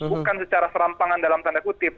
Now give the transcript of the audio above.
bukan secara serampangan dalam tanda kutip